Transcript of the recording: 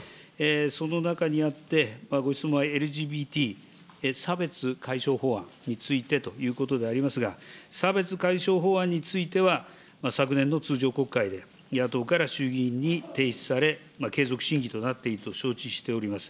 その中にあって、ご質問はＬＧＢＴ差別解消法案についてということでありますが、差別解消法案については、昨年の通常国会で、野党から衆議院に提出され、継続審議となっていると承知しております。